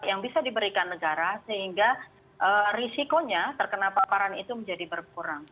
yang bisa diberikan negara sehingga risikonya terkena paparan itu menjadi berkurang